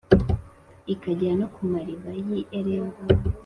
ikagera no ku mariba y’i Elimu.